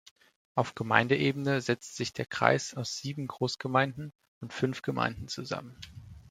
Auf Gemeindeebene setzt sich der Kreis aus sieben Großgemeinden und fünf Gemeinden zusammen.